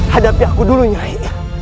hadapi aku dulu nyari